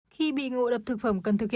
khi bị ngộ độc thực phẩm cần thực hiện